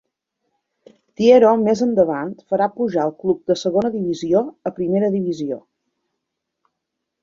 Tiero més endavant farà pujar el club de segona divisió a primera divisió.